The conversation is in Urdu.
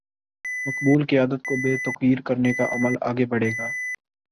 مقبول قیادت کو بے توقیر کرنے کا عمل آگے بڑھے گا۔